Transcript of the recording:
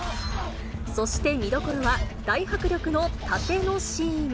そして見どころは、大迫力のタテのシーン。